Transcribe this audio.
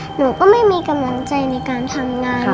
หนูก็ไม่มีกำลังใจในการทำงาน